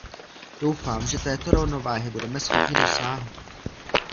Doufám, že této rovnováhy budeme schopni dosáhnout.